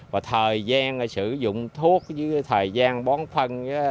và thời gian sử dụng thuốc dưới thời gian bón phân